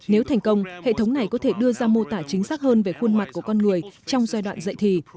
nếu thành công hệ thống này có thể đưa ra mô tả chính xác hơn về khuôn mặt của con người trong giai đoạn dạy thì